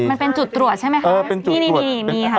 มันเป็นจุดตรวจใช่ไหมคะที่นี่มีค่ะ